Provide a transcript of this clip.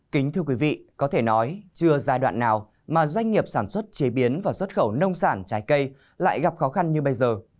kính thưa quý vị có thể nói chưa giai đoạn nào mà doanh nghiệp sản xuất chế biến và xuất khẩu nông sản trái cây lại gặp khó khăn như bây giờ